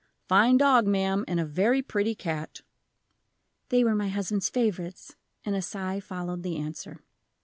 "Fine dog, ma'am, and a very pretty cat." "They were my husband's favorites," and a sigh followed the answer.